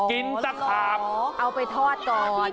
ตะขาบเอาไปทอดก่อน